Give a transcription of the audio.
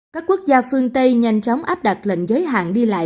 các quốc gia phương tây nhanh chóng áp đặt lệnh giới hạn đi lại